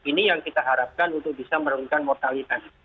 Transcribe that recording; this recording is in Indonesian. ini yang kita harapkan untuk bisa menurunkan mortalitas